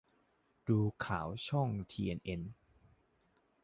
ดูข่าวช่องทีเอ็นเอ็น